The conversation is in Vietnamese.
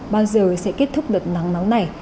bao giờ sẽ kết thúc đợt nắng nóng này